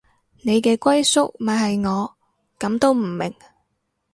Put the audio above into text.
你嘅歸宿咪係我，噉都唔明